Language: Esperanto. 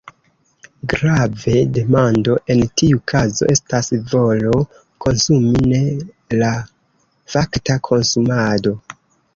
Grave: demando, en tiu kazo, estas volo konsumi, ne la fakta konsumado.